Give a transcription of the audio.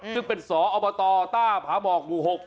ซึ่งเป็นสอบตต้าผาหมอกหมู่๖